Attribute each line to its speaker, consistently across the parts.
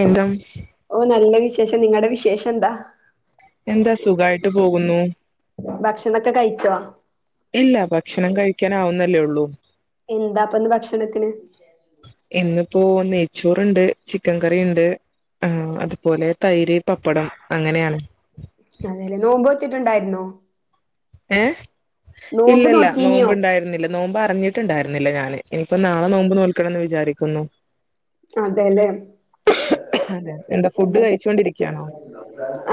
Speaker 1: എന്താ
Speaker 2: ഓ നല്ല വിശേഷം നിങ്ങടെ വിശേഷം എന്താ
Speaker 1: എന്താ സുഖായിട്ട് പോകുന്നു
Speaker 2: ഭക്ഷണൊക്കെ കഴിച്ചോ
Speaker 1: ഇല്ല ഭക്ഷണം കഴിക്കാൻ ആവുന്നല്ലേ ഉള്ളൂ
Speaker 2: എന്താപ്പയിന്ന് ഭക്ഷണത്തിന്
Speaker 1: ഇന്നിപ്പോ നെയ്ച്ചോറുണ്ട് ചിക്കൻ കറിയുണ്ട് ആ അതുപോലെ തൈര് പപ്പടം അങ്ങനെയാണ്
Speaker 2: ട്ടുണ്ടായിരുന്നോ
Speaker 1: ഏ ഇല്ലല്ല
Speaker 2: നോറ്റീനിയോ
Speaker 1: നോമ്പ് ഉണ്ടായിരുന്നില്ല നോമ്പ് അറിഞ്ഞിട്ടുണ്ടായിരുന്നില്ല ഞാന് ഇനിപ്പോ നാളെ നോമ്പ് നോൽക്കണം എന്ന് വിചാരിക്കുന്നു
Speaker 2: അതെല്ലേ.
Speaker 1: അതെ എന്താ ഫുഡ്
Speaker 2: മ്ഹ്
Speaker 1: കഴിച്ചോണ്ടിരിക്കയാണോ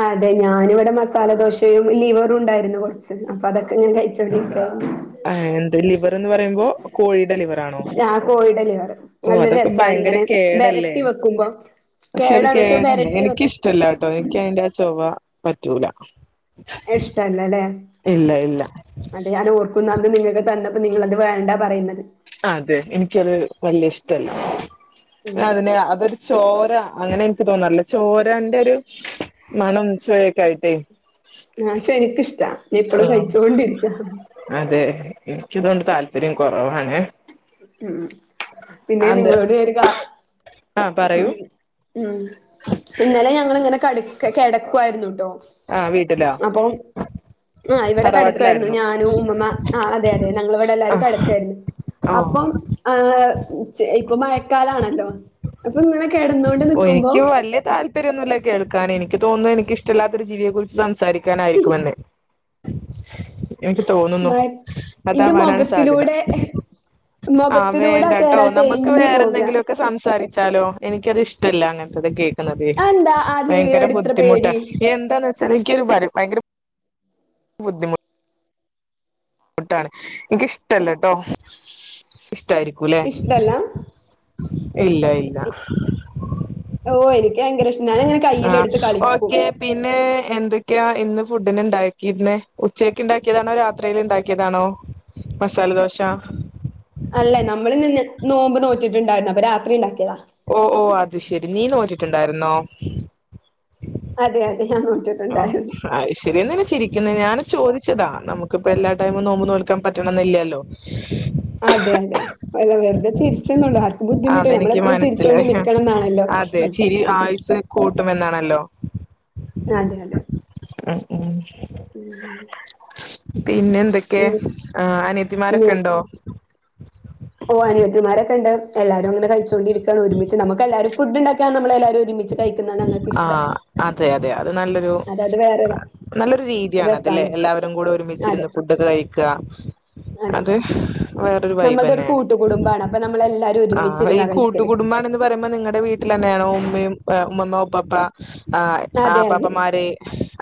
Speaker 2: അതെ ഞാനിവിടെ മസാല ദോശയും [unintelligible] ലിവറും ഉണ്ടായിരുന്നു കൊറച്ച് അപ്പോ അതൊക്കെ ഇങ്ങനെ കഴിച്ചോണ്ടിരിക്കാ
Speaker 1: ആഹ് എന്ത് ലിവറെന്ന് പറയുമ്പോ കോഴിയുടെ ലിവറാണോ?
Speaker 2: ഞാൻ കോഴിയുടെ ലിവർ
Speaker 1: ഓഹ്
Speaker 2: നല്ല
Speaker 1: അതൊക്കെ
Speaker 2: രസാണ്
Speaker 1: ഭയങ്കര
Speaker 2: ഇങ്ങനെ
Speaker 1: കേടല്ലേ?
Speaker 2: വെരട്ടി വെക്കുമ്പോ
Speaker 1: പക്ഷെ അത്
Speaker 2: കേടാണ്
Speaker 1: കേടല്ലേ
Speaker 2: വെരട്ടി വെക്കും
Speaker 1: എനിക്കിഷ്ടല്ലാട്ടോ എനിക്ക് അയ്ന്റെ ആ ചൊവ പറ്റൂല.
Speaker 2: ഇഷ്ടല്ലല്ലേ
Speaker 1: ഇല്ല ഇല്ല
Speaker 2: അത് ഞാൻ ഓർക്കുന്നു അന്ന് നിങ്ങക്ക് തന്ന നിങ്ങളത് വേണ്ട പറയുന്നത്.
Speaker 1: അതെ എനിക്കത് വല്യ ഇഷ്ടല്ല.
Speaker 2: ഉം
Speaker 1: അതിനെ അതൊരു ചോര അങ്ങനെ എനിക്ക് തോന്നാർല്ല. ചോരാന്റൊരു മണം ചൊയൊക്കെ ആയിട്ടേ
Speaker 2: ആഹ് ശേ എനിക്കിഷ്ടാ ഞാപ്പ്‌ളും കഴിച്ചോണ്ടിരിക്ക
Speaker 1: എനിക്കിതോണ്ട് താല്പര്യം കൊറവാണ്.
Speaker 2: ഉം പിന്നെ നിങ്ങളോട് ഞാ ഒര് കാ
Speaker 1: ആഹ് പറയൂ
Speaker 2: ഉം ഇന്നലെ ഞങ്ങളിങ്ങനെ കടി കെടക്കുവായിരുന്നു.
Speaker 1: ആഹ് വീട്ടിലോ
Speaker 2: അപ്പം ആഹ് ഇവടെ കെടക്കായിരുന്നു.
Speaker 1: തറവാട്ടിലായിരുന്നു
Speaker 2: ഞാനും ഉമ്മമ്മ ആ അതെ അതെ ഞങ്ങള് വിടെ എല്ലാരും
Speaker 1: ആഹ്
Speaker 2: കെടക്കായിരുന്നു
Speaker 1: ഓഹ്
Speaker 2: അപ്പം ആ ചെ പ്പൊ മഴക്കാലാണല്ലോ. ഇങ്ങനെ കെടന്നോണ്ട്
Speaker 1: ഓഹ്
Speaker 2: നിക്കുമ്പോ
Speaker 1: എനിക്ക് വല്യ താല്പര്യന്നുല്ല കേൾക്കാന് എനിക്ക് തോന്നുന്നു എനിക്ക് ഇഷ് ട്ടല്ലാത്തൊരു ജീവിയെ കുറിച്ച് സംസാരിക്കാനായിരിക്കുമെന്ന്. എനിക്ക് തോന്നുന്നു
Speaker 2: മഴ ഇന്റെ
Speaker 1: അതാവാനാണ് സാധ്യത.
Speaker 2: മൊഖത്തിലൂടെ
Speaker 1: ആഹ്
Speaker 2: മൊഖത്തിലൂടെ ആ
Speaker 1: വേണ്ടട്ടോ
Speaker 2: ചേരാട്ട
Speaker 1: നമുക്ക്
Speaker 2: എഴഞ്ഞു
Speaker 1: വേറെ
Speaker 2: പോകാ
Speaker 1: എന്തെങ്കിലൊക്കെ സംസാരി ച്ചാലോ എനിക്കത് ഇഷ്ടല്ല അങ്ങനെത്തത് കേ ക്ക്ണതെ.
Speaker 2: അതെന്താ ആ
Speaker 1: ഭയങ്കര
Speaker 2: ജീവിയോട് ഇത്ര
Speaker 1: ബുദ്ധിമുട്ടാ
Speaker 2: പേടി
Speaker 1: ഇത് എന്താന്നച്ചാല് ഇൻക്കൊരു വരും ഭയങ്കര ബുദ്ധിമു മുട്ടാണ് ഇൻക്കിഷ്ടല്ലട്ടോ. ഇഷ്ടായിരിക്കൂല്ലെ
Speaker 2: ഇഷ്ടല്ല
Speaker 1: ഇല്ല ഇല്ല.
Speaker 2: ഓ എനിക്ക് ഭയങ്കര ഇഷ്ടാ ഞാനങ്ങനെ
Speaker 1: ആഹ്
Speaker 2: കയ്യിലെടുത്ത് കളിക്കും.
Speaker 1: ഓക്കെ പിന്നെ എന്തൊ ക്കയാ ഇന്ന് ഫുഡിന് ഇണ്ടാക്കിരുന്നെ. ഉച്ചക്ക് ഇണ്ടാക്കിയതാണോ രാത്രില് ഇണ്ടാക്കിയതാണോ? മസാലദോശ.
Speaker 2: അല്ല നമ്മളിന്ന് നോമ്പ് നോറ്റിട്ടുണ്ടായിരുന്നു അപ്പൊ രാത്രി ഇണ്ടാക്കിയതാ.
Speaker 1: ഓഹ് ഓഹ് അത് ശെരി നീ നോറ്റിട്ടുണ്ടായിരുന്നോ?
Speaker 2: അതെ അത്
Speaker 1: ആഹ് അയിശെരി എന്തിനാ ചിരിക്കുന്നെ ഞാന് ചോദിച്ചതാ നമുക്കിപ്പം എല്ലാ ടൈമും നോമ്പു നോൽക്കാൻ പറ്റണംന്നില്ലല്ലോ
Speaker 2: അതെ അതെ അല്ല വെറുതെ ചിരിച്ചെന്നുള്ളൂ ആർക്കും ബുദ്ധിമുട്ട് നമ്മള്
Speaker 1: അതെനിക്ക്
Speaker 2: എപ്പോഴും ചിരിച്ചോണ്ട്
Speaker 1: മനസ്സിലായി
Speaker 2: നിക്കണംന്നാണല്ലോ
Speaker 1: അതെ ചിരി ആയുസ്സ് കൂട്ടും. [unintelligible]
Speaker 2: അതെയതെ
Speaker 1: ഉം ഉം പിന്നെ എന്തൊക്കെയാ?
Speaker 2: ഉം
Speaker 1: അനിയത്തിമാരൊക്കെ ഉണ്ടോ?
Speaker 2: ഓഹ് അനിയത്തിമാരൊക്കെണ്ട്, എല്ലാരും അങ്ങനെ കഴിച്ചോണ്ടിരിക്കയാണ്, ഒരുമിച്ച് നമ്മക്ക് എല്ലാരും ഫുഡുണ്ടാക്കിയാല് നമ്മൾ എല്ലാരും ഒരുമിച്ച് കഴിക്കുന്ന ഞങ്ങക്ക് ഇഷ്ടം
Speaker 1: ആഹ് അതെ അതെ അത് നല്ലൊരു നല്ലൊരു രീതിയാണ് അതല്ലേ
Speaker 2: രസാണ്
Speaker 1: എല്ലാവരും കൂടെ
Speaker 2: അതെ
Speaker 1: ഒരുമിച്ചിരുന്ന് ഫുഡൊക്കെ കഴിക്കുക
Speaker 2: അതെ.
Speaker 1: അത് വേറൊരു
Speaker 2: നമ്മൾടെ ഒരു
Speaker 1: വൈബെന്നെയാണ്
Speaker 2: കൂട്ടുകുടുംബാണ് അപ്പൊ നമ്മളെല്ലാരും
Speaker 1: ആഹ് ഈ
Speaker 2: ഒരുമിച്ചിരുന്നാ കഴിക്കല്.
Speaker 1: കൂട്ടുകുടുംബ് മ്പാണെന്ന് പറയുമ്പോ നിങ്ങടെ വീട്ടിലെന്നെയാണോ? ഉമ്മയും ആഹ് ഉമ്മമ്മ, ഉപ്പപ്പ, ആഹ്
Speaker 2: അതെ അതെ
Speaker 1: ആപ്പാപ്പമാര്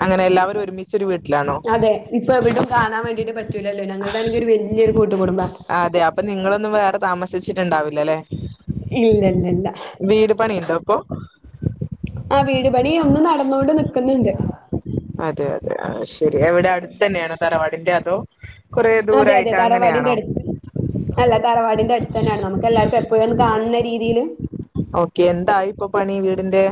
Speaker 1: അങ്ങനെ എല്ലാവരും ഒരുമിച്ച്
Speaker 2: അതെ ഇപ്പൊ എനവിടും കാണാൻ വേണ്ടിട്ട് പറ്റ് പറ്റൂലല്ലോ ഞങ്ങൾതാണെങ്കി ഒരു വെല്ല്യൊരു കൂട്ടു കുടുംബാ
Speaker 1: ച്ചിട്ടുണ്ടാവില്ലല്ലേ
Speaker 2: ഇല്ലല്ലല്ല
Speaker 1: വീട് പണിയുണ്ടോ ഇപ്പൊ?
Speaker 2: ആഹ് വീടുപണി ഒന്ന് നടന്നോണ്ട് നിക്കുന്നുണ്ട്
Speaker 1: അതെയതെ ആഹ് ശരി എവിടെ അടുത്തെന്നെയാണോ തറവാടിന്റെ അതോ കൊറേ
Speaker 2: അതെയതെ
Speaker 1: ദൂരായിട്ട്
Speaker 2: തറവാടിന്റെ
Speaker 1: അങ്ങനെയാണോ?
Speaker 2: അടുത്ത് അല്ല തറവാടിന്റെ അടുത്തന്നാണ്. നമുക്ക് എല്ലാർക്കും എപ്പോഴും ഒന്ന് കാണുന്ന രീതിയില്
Speaker 1: ഓക്കെ എന്താ ഇപ്പൊ പണി വീടിന്റെ?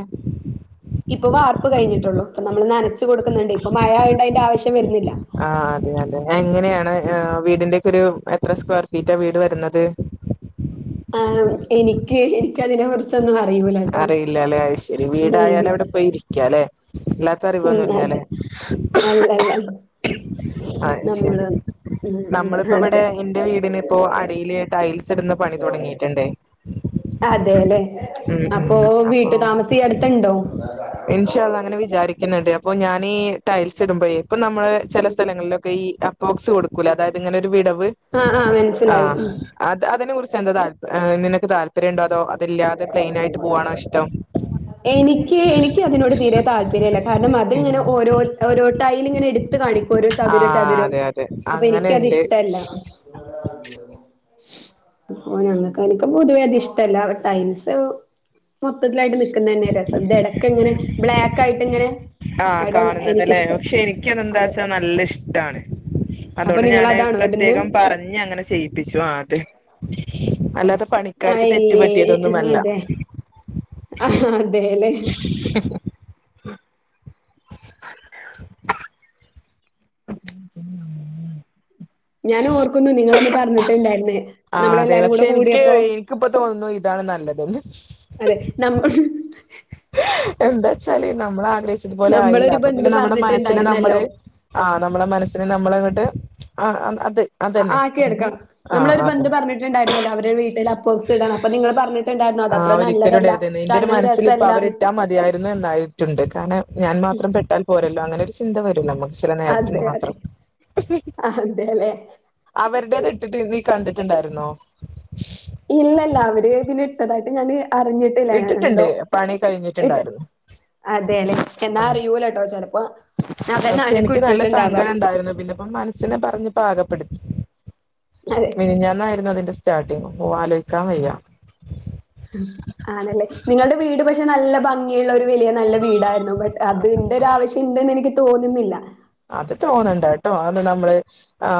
Speaker 2: ഇപ്പൊ വാർപ്പ് കഴിഞ്ഞിട്ടുള്ളു. ഇപ്പൊ നമ്മള് നനച്ചു കൊടുക്കുന്നുണ്ട്. ഇപ്പൊ മഴ ആയോണ്ട് അയിന്റെ ആവശ്യം വരുന്നില്ല.
Speaker 1: ആഹ് അതെയതെ എങ്ങനെയാണ് വീടിന്റെക്കെ ഒരു എത്ര സ്ക്വയർ ഫീറ്റാ വീട് വരുന്നത്?
Speaker 2: ആഹ് എനിക്ക് എനിക്കതിനെ കുറിച്ചൊന്നും അ
Speaker 1: അറിയില്ലല്ലെ അത് ശരി വീടായാൽ
Speaker 2: ഉം.
Speaker 1: അവിടെ പോയി ഇരിക്ക ലെ. ഇല്ലാത്ത
Speaker 2: ഉം
Speaker 1: അറിവൊന്നുല്ലലെ.
Speaker 2: അതെ അല്ലല്ല
Speaker 1: ആഹ് ശരി
Speaker 2: നമ്മള് ഉം ഉം
Speaker 1: നമ്മളിപ്പോ ഇവിടെ
Speaker 2: അതെ
Speaker 1: ഇന്റെ വീടിന് ഇപ്പോ അടിയില് ടൈൽ സിടുന്ന പണി തുടങ്ങിയിട്ടുണ്ടെ
Speaker 2: അതെല്ലേ അപ്പൊ
Speaker 1: ഉം അപ്പൊ
Speaker 2: വീട്ടു താമസം ഈ അടുത്തുണ്ടോ
Speaker 1: ഇൻഷാ അല്ലാഹ് അങ്ങനെ വിചാരിക്ക്ന്ന് ണ്ട്. അപ്പൊ ഞാൻ ഈ ടൈൽസ് ഇടുമ്പഴെ ഇപ്പ നമ്മള് ചെല സ്ഥലങ്ങളിലൊക്കെ ഈ അപ്പോക്സ് കൊടുക് ക്കൂലേ അതായത് ഇങ്ങനെ ഒരു വിടവ്.
Speaker 2: ആഹ് ആഹ് മനസ്സിലായി
Speaker 1: ആഹ്
Speaker 2: ഉം
Speaker 1: അത് അതിനെ കുറിച്ച് എന്താ താല്പ ആഹ് നിനക്ക് താല്പര്യംണ്ടോ? അതോ അതില്ലാതെ പ്ലെയിനായിട്ട് പോവാണോ ഇഷ്ടം?
Speaker 2: എനിക്ക് എനിക്ക് അതിനോട് തീരെ താല്പര്യല്ല. കാരണം അതിങ്ങനെ ഓരോ ഓരോ ടൈല് ഇങ്ങനെ ഇട് ഒരു ചതുര
Speaker 1: ആഹ്
Speaker 2: ചതുരം.
Speaker 1: അതെ അതെ
Speaker 2: അപ്പൊ എനിക്ക് അത്
Speaker 1: അങ്ങനെണ്ട്
Speaker 2: ഇഷ്ടല്ല. ഓഹ് ഞങ്ങക്കതിക്ക് പൊതുവേ അത് ഇഷ്ടല്ല ടൈൽസ് മൊത്തത്തിലായിട്ട് നിക്കുന്നന്നെ രസം. ഇത് എടക്ക്ങ്ങനെ ബ്ലാക്ക് ആയിട്ട് ഇങ്ങനെ
Speaker 1: ആഹ്
Speaker 2: ഐ ഡോണ്ട്
Speaker 1: കാണുന്നത് ലേ.
Speaker 2: എനിക്കിഷ്ട
Speaker 1: പക്ഷെ എനി
Speaker 2: അതെ
Speaker 1: ക്കതെന്താച്ചാ നല്ല ഇഷ്ടാണ്.
Speaker 2: അപ്പൊ
Speaker 1: അതോണ്ട് ഞാന്
Speaker 2: നിങ്ങളതാണോ ഇടുന്നെ?
Speaker 1: പ്രത്യേകം പറഞ്ഞ് അങ്ങനെ ചെയ്യിപ്പിച്ചു ആത്. അല്ലാതെ പണിക്കാർക്ക് തെറ്റ്
Speaker 2: അയ്യേ
Speaker 1: പറ്റിയതൊന്നുമല്ല.
Speaker 2: അതെ ആഹ് അതേല്ലേ. ഞാൻ ഓർക്കുന്നു നിങ്ങളത് പറഞ്ഞിട്ടുണ്ടായിരുന്നേ.
Speaker 1: ആ
Speaker 2: നമ്മള്
Speaker 1: അതെ
Speaker 2: എല്ലാരും
Speaker 1: പക്ഷെ
Speaker 2: കൂടെ
Speaker 1: എനിക്ക്
Speaker 2: കൂടിയപ്പോ
Speaker 1: എനിക്കിപ്പോ തോന്നുന്നു [unintelligible]
Speaker 2: അതെ [unintelligible]
Speaker 1: എന്താച്ചാല് നമ്മൾ ആഗ്രഹിച്ചത്പോലെ ആയില്ല
Speaker 2: നമ്മളൊരു
Speaker 1: അപ്പ
Speaker 2: ബന്ധു
Speaker 1: പിന്നെ നമ്മുടെ മനസ്സിനെ
Speaker 2: പറഞ്ഞിട്ടുണ്ടായിരുന്നല്ലോ
Speaker 1: നമ്മള് ആ നമ്മളുടെ മനസ്സിനെ നമ്മള് [unintelligible] അതന്നെ
Speaker 2: ആഹ് കേൾക്കാം
Speaker 1: ആ
Speaker 2: നമ്മള ഒരു
Speaker 1: അതെ
Speaker 2: ബന്ധു പറഞ്ഞിട്ടുണ്ടായിരുന്നല്ലോ അവരുടെ വീട്ടിൽ അപ്പോക്സ് ഇടണം അപ്പൊ നിങ്ങള് പറഞ്ഞ
Speaker 1: ആഹ് ഒരിക്കലുടരുതെന്നത് എന്റെ ഒരു മനസ്സിൽ ഇപ്പൊ
Speaker 2: രസല്ലാന്ന്
Speaker 1: അവരിട്ടാ മതിയായിരുന്നു എന്നായിട്ടുണ്ട് കാരണം ഞാൻ മാത്ര പെട്ടാൽ പോരല്ലോ അങ്ങനെ ചിന്ത നമുക്ക് ചില നേരത്തിന്
Speaker 2: അതെ അതെ
Speaker 1: മാത്രം
Speaker 2: അതെല്ലേ
Speaker 1: അവരുടേത് ഇട്ടിട്ട് നീ കണ്ടിട്ടുണ്ടായിരുന്നോ
Speaker 2: തായിട്ട് ഞാൻ അറിഞ്ഞിട്ടില്ലഞ എന്തോ
Speaker 1: ഇട്ടിട്ടുണ്ട് പണി
Speaker 2: ഇട്ട്
Speaker 1: കഴിഞ്ഞിട്ടുണ്ടായിരുന്നു
Speaker 2: അതെല്ലെ എന്നാ
Speaker 1: ആ
Speaker 2: അറിയൂല കേട്ടോ ചെറു
Speaker 1: പക്ഷെ എനിക്ക് നല്ല സങ്കടം ണ്ടായിരുന്നു പിന്നെപ്പ മനസ്സിനെ പറഞ് പാകപ്പെടുത്തി
Speaker 2: അതെ
Speaker 1: മിനിഞ്ഞന്നായിരുന്നു അതിന്റെ സ്റ്റാർട്ടിങ് ഓ ആലോചിക്കാൻ വയ്യ
Speaker 2: ആണല്ലേ നിങ്ങളുടെ വീട് പക്ഷെ നല്ല ഭംഗി [unintelligible] വലിയ നല്ല വീടായിരുന്നു ബട്ട് അത് ന്റെ ഒരു ആവശ്യം ഉണ്ട്ന്ന് എനിക്ക് തോന്നുന്നില്ല
Speaker 1: അത് തോന്നണ്ട ട്ടോ അത് നമ്മള് ആ്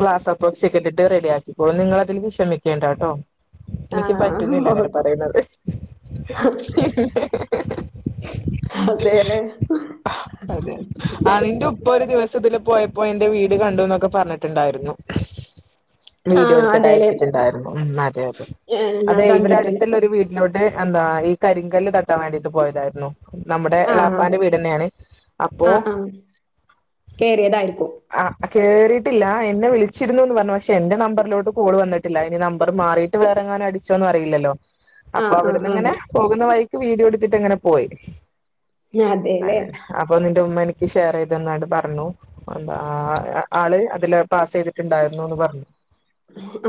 Speaker 1: ഗ്ലാസ്പ്പോക്സി ഒക്കെ ഇട്ടിട്ട് റെഡി ആക്കിക്കളും നിങ്ങ അതിൽ വിഷമിക്കേണ്ട കേട്ടോ എനിക്ക്
Speaker 2: ആഹ്
Speaker 1: പറ്റുന്നില്ല
Speaker 2: ഓഹ്
Speaker 1: അങ്ങനെ പറയുന്നത്
Speaker 2: അതേല്ലെ
Speaker 1: [unintelligible] ദിവസത്തില് പോയപ്പോ എന്റെ വീട് കണ്ടു എന്നൊക്കെ പറഞ്ഞിട്ടുണ്ടായിരുന്നു വീടിയോ
Speaker 2: ആഹ്
Speaker 1: എടുത്തിട്ട്
Speaker 2: അതേല്ലേ
Speaker 1: അയച്ചിട്ടുണ്ടായിരുന്നു ഉം അതെ അതെ
Speaker 2: ഏഹ് ഞാൻ
Speaker 1: അതെ ഇവിടെ
Speaker 2: കണ്ടിട്ടില്ല
Speaker 1: അടുത്തല്ല ഒരു വീട്ടിലോട്ട എന്താ ഈ കരിങ്കല്ല് കട്ടാൻ വേണ്ടിട്ട് പോയതായിരുന്നു നമ്മുടെ
Speaker 2: ആഹ്
Speaker 1: എളാപ്പാന്റെ വീട് തന്നെയാണ് അപ്പോൊ
Speaker 2: കയറിയതായിരിക്കും
Speaker 1: കേറിയിട്ടില്ല എന്നെ വിളിച്ചിരുന്നുന്ന് പറഞ്ഞു പക്ഷെ എന്റെ നമ്പറിലോട്ട് കൂൾ വന്നിട്ടില്ല ഇനി നമ്പർ മാറിയിട്ട് വ അങ്ങനെ അടിച്ചോന്നും അറില്ലോ അപ്പൊ
Speaker 2: ആഹ് ആഹ്
Speaker 1: അവിടുന്ന് ഇങ്ങനെ
Speaker 2: ആഹ്
Speaker 1: പോകുന്ന വൈക്ക് വീഡിയോ എടുത്തിട്ട് അങ്ങനെ പോയി
Speaker 2: അതെല്ലേ
Speaker 1: എക്ക്ഷർ ഇതെന്നായിട്ട് പറഞ്ഞു എന്ത ആള് അതില് പാസ് ചെയ്തിട്ടുണ്ടായിരുന്നുന്ന് പറഞ്ഞു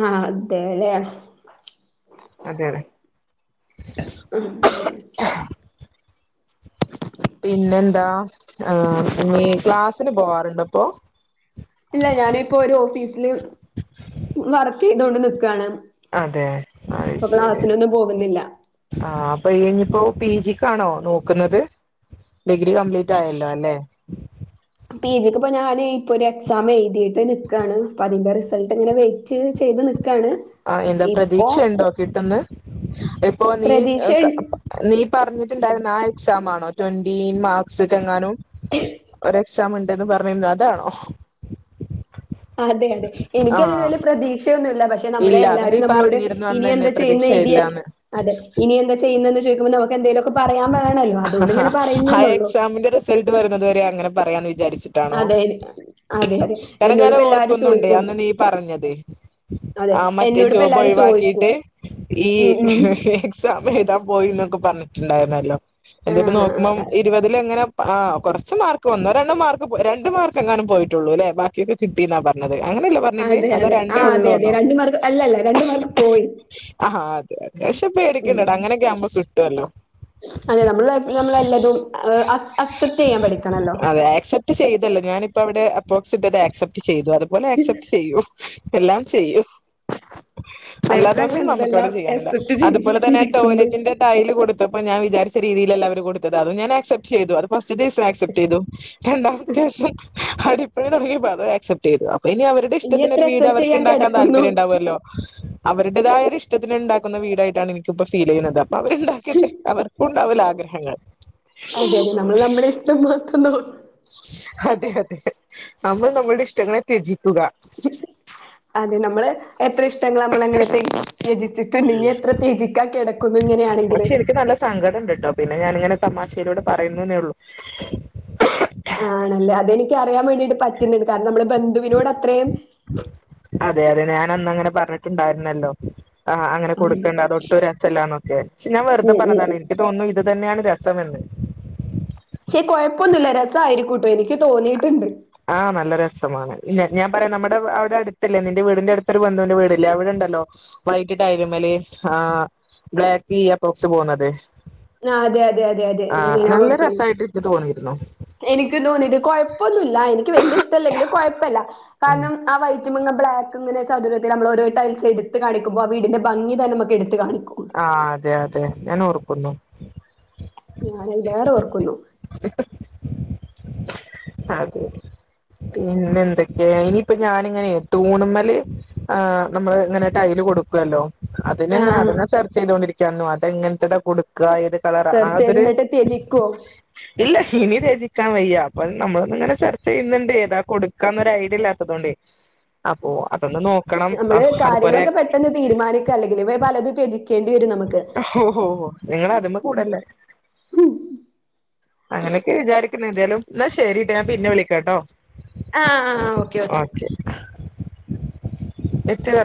Speaker 2: ആഹ അതെ അല്ലേ
Speaker 1: അതെ അതെ
Speaker 2: [inaudible]
Speaker 1: പിന്നെ എന്താ ആ ഇനി ക്ലാസിന് പോവാറുണ്ട് അപ്പോൊ
Speaker 2: ഇല്ല ഞാനിപ്പോൊ ഒരു ഓഫീസിില് വർക്ക് ചെയ്തൊണ്ട് നിക്കുകയാണ്
Speaker 1: അതെ അത് ശരി
Speaker 2: പോകുന്നില്ല
Speaker 1: ആഹ അപ്പൊ ഈഞ്ഞിപ്പോ പി ജിക്ക്ാണോ നോക്കുന്നത് ഡിഗ്രി കംപ്ലീറ്റ് ആയല്ലോ അല്ലെ
Speaker 2: പി ജിക്ക് ഇപ്പോൾ ഞാൻ ഇപ്പോൾ ഒരു എക്സാം എഴുതിയിട്ട് നിൽക്കുവാണ് അപ്പോൾ അതിൻ്റെ റിസൾട്ട് ഇങ്ങനെ വെയിറ്റ് ചെയ്ത് നിൽക്കും
Speaker 1: ആ എന്താ പ്രതീക്ഷ ഉണ്ടോ കിട്ടന്ന് ഇപ്പോൊ നീ
Speaker 2: പ്രതീക്ഷ
Speaker 1: നീ പറഞ്ഞിട്ടുണ്ടായിരുന്ന ആ എക്സാ ആണോ ട്വന്റിീ മാർക്സ് ഒക്കെ എങ്ങാനും മുണ്ടന്ന് പറഞ്ഞിരുന്നു അതാണോ
Speaker 2: അതെ അതെ എനിക്കതിന്
Speaker 1: ആഹ്
Speaker 2: വലിയ പ്രതീക്ഷയൊന്നുമല്ല പക്ഷെ നമ്മളെ
Speaker 1: ഇല്ല അത് നീ
Speaker 2: എല്ലാരും നമ്മളോട്
Speaker 1: പറഞ്ഞിരുന്നു അന്ന്
Speaker 2: ഇനി
Speaker 1: തന്നെ
Speaker 2: എന്താ ചെയ്യുന്നതി
Speaker 1: പ്രതീക്ഷയില്ലാന്ന്
Speaker 2: അതെ ഇനി എന്താ ചെയ്യുന്നന്ന് ചോദിക്കുമ്പോ എന്തേലുമൊക്കെ പറയാൻ വേണല്ലോ അതുകൊണ്ട്ിങ്ങനെ പറയുന്നന്നള്ളോ
Speaker 1: അങ്ങന പറയാ വിചാരിച്ചിട്ടാണോ
Speaker 2: അതെ അതെ
Speaker 1: വറെ ഞാൻ
Speaker 2: എന്നോടിപ്പോ എല്ലാരും
Speaker 1: ഓർക്കുന്നുണ്ട്േ
Speaker 2: ചോദിക്കും
Speaker 1: അന്ന് നീ പറഞ്ഞത്
Speaker 2: അതെ
Speaker 1: ആ മറ്റേ
Speaker 2: എന്നോടിപ്പോ
Speaker 1: ജോബ്
Speaker 2: എല്ലാരും ചോദിക്കും
Speaker 1: ഒഴിവാക്കിയിട്ട് ഈ
Speaker 2: ഉം ഉം
Speaker 1: എക്സാം എഴുതാൻ പോയിന്നൊക്ക ിണ്ടരുന്ന നോക്ക്പ
Speaker 2: ആഹ്
Speaker 1: ഇരുപതില് നെ ആ കുറച്ച് മാർക്ക് വന്നോ ര മാർക്ക് രണ്ട് മാർക്ക് എങ്ങാനും പോയിട്ടുള്ളൂ അല്ലേ ബാക്കിൊക്കെ കിട്ടിന്നാ പറഞ്ഞത് അതെ അങ്ങനെയല്ല പറഞ്ഞിേ
Speaker 2: അതെ
Speaker 1: അത
Speaker 2: അതെ ആ
Speaker 1: രണ്ടേ
Speaker 2: അതെ അതെ
Speaker 1: ഉള്ളുന്നോ
Speaker 2: രണ്ട് മാർക്ക് അല്ലല്ല രണ്ട് മാർക്ക് പോയി
Speaker 1: ആഹ
Speaker 2: ഉം
Speaker 1: അഹാ
Speaker 2: അതെ നമ്മൾ നമ്മൾ എല്ലാതും അക്സെപ്റ്റ് ചെയ്യാൻ പ
Speaker 1: ചെയ്തല്ല ഞാനിപ്പോ അവിടെ അ്രോക്സി അ ആക്സെപ്റ്റ് ചെയ്തു അതുപോലെ ആക്സെപ്റ്റ് ചെയ്യും എല്ലാം ചെയ്യും
Speaker 2: [inaudible] ലൈഫിലങ്ങനെ
Speaker 1: അല്ലാതൊന്നും
Speaker 2: എന്തെല്ലാം
Speaker 1: നമുക്ക്ിവിടെ ചെയ്യാനില്ല
Speaker 2: അക്സെപ്റ്റ്
Speaker 1: അതുപോലെ തന്നെ
Speaker 2: ചെയ്തിരിക്കുന്നു
Speaker 1: ടോയ്ലറ്റിന്റെ ടൈൽ കൊടു അപ്പപ്പോ ഞാ വിചരിച്ച രീതിയിലല്ല അവര് കൊടുത്തത് അ ഞൻ ആക്സെ് ചെയ്ത് ം ആക്സെപ്റ്റ് ചെയ്തു രണ്ടാമത്തെ ദിവസം അടിപ്പഴ നമു ആക്സെപ്റ്റ് ചെയ്തു ഇനി അവരുടെ
Speaker 2: ഇനി
Speaker 1: ഇഷ്ടത്തിന്ൊരു
Speaker 2: എത്ര
Speaker 1: വീട്
Speaker 2: അക്സെപ്റ്റ്
Speaker 1: അവർക്ക്
Speaker 2: ചെയ്യാൻ
Speaker 1: ഉണ്ടാക്കാൻ
Speaker 2: കിടക്കുന്നു
Speaker 1: താല്പര്യം ഉണ്ടാവുമല്ലോ അവരുടേതായൊ ഇഷ്ടത്തിന്ണ്ടാക്കുന്ന വീടായിട്ടാണ് എനിക്കിപ്പൊ ഫീൽ ചെയ്യുന്നത് അപ്പൊ അവരുണ്ടാക്കട്ടെ
Speaker 2: അതെ അതെ നമ്മൾ നമ്മുടെ ഇഷ്ടം മാത്തന്നോ
Speaker 1: അതെ അതെ നമ്മള് നമ്മളുടെ ഇഷ്ടങ്ങണെ തേജി
Speaker 2: അതെ നമ്മളെ എത്ര ഇഷ്ടങ്ങൾ നമ്മള അങ്ങനെ ത്ജിച്ചിട്ടുണ്ടെങ്കിൽ എത്ര ത്ജിക്കാ കിടക്കുന്നു ഇങ്ങനെയാണെങ്കില്
Speaker 1: പക്ഷെ എനിക്ക് നല്ല സങ്കടം ഉണ്ട കേട്ടോ പിന്നെ ഞാന ഇങ്ങനെ തമാശയിലോട് പറയുന്നെന്നേ ഉള്ളൂ
Speaker 2: എനി അറിയാൻ വേണ്ടിട്ട് പറ്റുന്നുണ്ട് കാരണം നമ്മള് ബന്ധുവിനോട് അത്രയും
Speaker 1: ന്ന അങ്ങനെ പറഞ്ഞിട്ടുണ്ടായിരുന്നല്ലോ ആ്
Speaker 2: അതെ
Speaker 1: അങ്ങനെടുക്കണ്ട അത ഒട്ടും രസമല്ലാന്നൊക്കെ പക്ഷ ഞാൻ
Speaker 2: ഉം ഉം
Speaker 1: വെറുതെഞ്ഞതാണ്
Speaker 2: ഉം
Speaker 1: എനി തോന്നുന്നു ഇത് അത് തന്നെയാണ് രസമ എെന്ന്
Speaker 2: പക്ഷെ കുഴപ്പൊന്നുമില്ല രസമായിയിരിക്കൂട്ടോ എനിക്ക് തോന്നിയിട്ടുണ്ട്
Speaker 1: ആഹ നല്ല രസമാണ് ഞാൻ പറയാൻ നമ്മുടെ അടെ അവിടെ അടുത്തല്ലേ നിന്റെ വീടിന്റെ അടുത്തൊരു ബന്ധുവിന്റെ വീടല്ലേ അവിടെണ്ടല്ലോ വൈകിട്ട് അമല ആ് ബ്ലാക്ക് പ്രോക്സ് പോണ അതെ
Speaker 2: ആ അതെ അതെ അതെ അതെ ന ഓർക്ക
Speaker 1: രസായിട്ട് എനിക്ക് തോന്നിയിരുന്നു
Speaker 2: എനിക്ക് തോന്നീട്ട് കൊഴപ്പൊന്നുമില്ല എനിക്ക് വല ഇഷ്ടല്ലെങ്കിൽ കുഴപ്പമല്ല
Speaker 1: ഉം.
Speaker 2: കാരണം ആ വ റ്റ ബ്ലക്ക് ഇങ്ങ സൗര്യത്തി നമ്മൾ രോ ടൈൽസ്ടുത്ത് കാണുമ്പോ ആ വീന്റെ ഭംഗി തന്നെമുക്ക് എടുത്ത് കാണിക്കും
Speaker 1: ആ അതെ അതെ ഞാൻ ഓർക്കുന്നു
Speaker 2: ഞാന ഇ വേറെ ഓർക്കുന്നു
Speaker 1: [inaudible] ആെ പിന്നെ എന്തൊക്കെയ ഇനിയിപ്പ ഞാനിങ്ങനെ തൂണുമമ്മൽ ആ് നമ്മള് ഇങ്ങനട്ടലും കൊടുക്കല്ലോ അതിനെ
Speaker 2: ആഹ്
Speaker 1: എങ്ങനെ അതെ
Speaker 2: ആഹ്
Speaker 1: സെർച്ച് ചെയ്തൊണ്ടിരിക്കരുന്നു അതെങ്ങനത്തെതാ കൊടു ത് കളർ
Speaker 2: സെർച്ച് ചെയ്ത്
Speaker 1: അതൊരു
Speaker 2: എന്നിട്ട് ത്യജിക്കോ
Speaker 1: ഇല്ല ഇനി രചിക്കാൻ വയ്യാ അപ്പൾ നമ്മള ഇങ്ങനെ ചെർച്ച ചെയ്യുന്നുണ്ട് ഏതാ കൊടുക്കാന്നൊ ഐഡിയ ഇല്ലാത്തത കൊണ്ട് അപ്പോൊ
Speaker 2: നമ്മള് കാര്യങ്ങളൊക്കെ പെട്ടെന്ന് തീരുമാനിക്കുക അല്ലെങ്കിൽ ഇ പലത്ും ത്ജിക്ക േണ്ടി വരും നമുക്ക്
Speaker 1: ഓ ഓ നിങ്ങള് അതിമ്മ കൂടല്ലേ അങ്ങനെയൊക്കെ വിചാരിക്കുന്ന എന്തായാലും എന്നാ ശരിട്ടാ ഞാൻ പിന്നെ വിളിക്കട്ടോ
Speaker 2: ആഹ ആഹ ഓക്കെ ഓക്കെ
Speaker 1: എത്തി